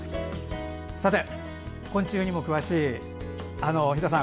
さて、昆虫にも詳しい比田さん